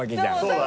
そう。